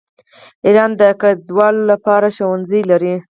ایران د کډوالو لپاره ښوونځي لري.